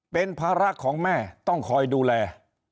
เป็นภาระของแม่ต้องคอยดูแล